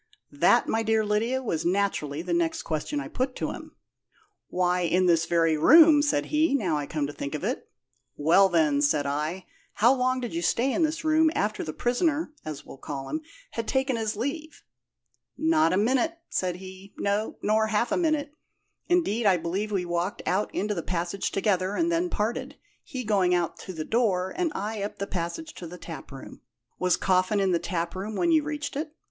"That, my dear Lydia, was naturally the next question I put to him. 'Why, in this very room,' said he, 'now I come to think of it.' 'Well, then,' said I, 'how long did you stay in this room after the prisoner (as we'll call him) had taken his leave?' 'Not a minute,' said he; 'no, nor half a minute. Indeed, I believe we walked out into the passage together, and then parted, he going out to the door, and I up the passage to the taproom.' 'Was Coffin in the taproom when you reached it?'